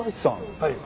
はい。